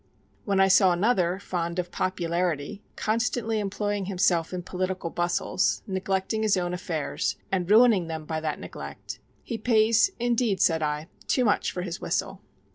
When I saw another fond of popularity, constantly employing himself in political bustles, neglecting his own affairs, and ruining them by that neglect, He pays, indeed, said I, too much for his whistle.